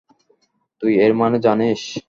তুই এর মানে জানিস।